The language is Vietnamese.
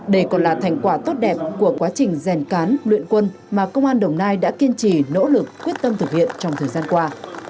đây còn là thành quả tốt đẹp của quá trình rèn cán luyện quân mà công an đồng nai đã kiên trì nỗ lực quyết tâm thực hiện trong thời gian qua